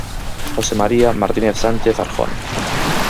José María Martínez Sánchez Arjona.